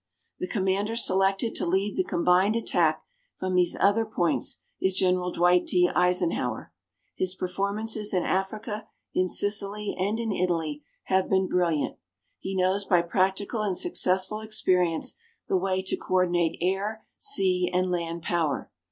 The Commander selected to lead the combined attack from these other points is General Dwight D. Eisenhower. His performances in Africa, in Sicily and in Italy have been brilliant. He knows by practical and successful experience the way to coordinate air, sea and land power.